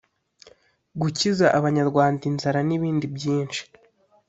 gukiza abanyarwanda inzara n’ibindi byinshi